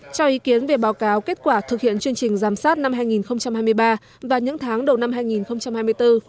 cho ý kiến về báo cáo kết quả thực hiện chương trình giám sát năm hai nghìn hai mươi ba và những tháng đầu năm hai nghìn hai mươi bốn